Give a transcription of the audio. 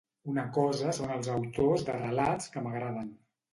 Una cosa són els autors de relats que m'agraden.